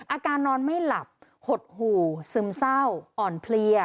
อาการนอนไม่หลับหดหู่ซึมเศร้าอ่อนเพลีย